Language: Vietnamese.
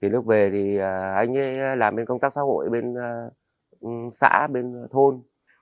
lúc về thì anh ấy làm bên công tác xã hội bên xã bên thôn